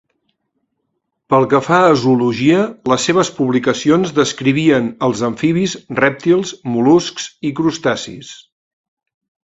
Pel que fa a zoologia, les seves publicacions descrivien als amfibis, rèptils, mol·luscs i crustacis.